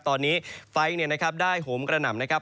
ตอนนี้ไฟได้โหมกระหน่ำนะครับ